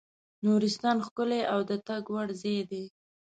نورستان ښکلی او د تګ وړ ځای دی.